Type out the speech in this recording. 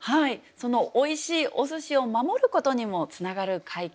そのおいしいお寿司を守ることにもつながる解決策です。